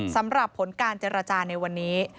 สำหรับผลการเจรจาในวันนี้